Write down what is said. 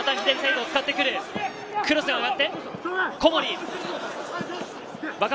クロスが上がって小森。